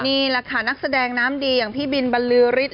นี่แหละค่ะนักแสดงน้ำดีอย่างพี่บินบรรลือฤทธิ